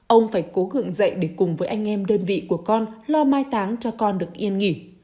ông phải cố gượng dậy để cùng với anh em đơn vị của con lo mai táng cho con được yên nghỉ